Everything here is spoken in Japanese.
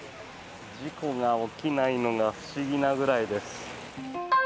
事故が起きないのが不思議なぐらいです。